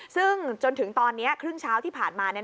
ซึ่งจนถึงตอนนี้ครึ่งเช้าที่ผ่านมา